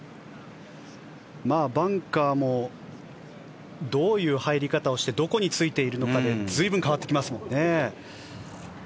バンカーもどういう入り方をしてどこについているかで随分変わってきますからね。